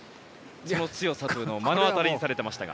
この強さを目の当たりにされていましたが。